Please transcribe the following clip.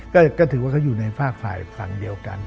ก็ถือว่าเขาอยู่ในฝากฝ่ายฝั่งเดียวกัน